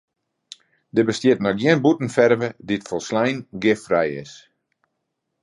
Der bestiet noch gjin bûtenferve dy't folslein giffrij is.